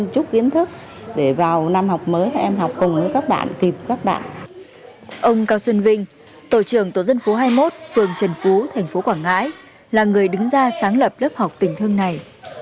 trần bạch đạt nhân ở phường trần phú tp quảng ngãi là người đứng ra sáng lập lớp học tình thương này